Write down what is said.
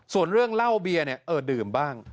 ส่วนเรื่องเหล้าเบียร์เนี่ยเออดื่มบ้าง